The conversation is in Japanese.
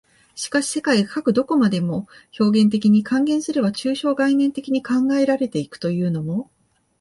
しかし世界がかく何処までも表現的に、換言すれば抽象概念的に考えられて行くというのも、